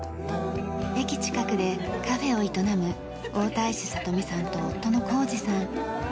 駅近くでカフェを営む大泰司聡美さんと夫の幸嗣さん。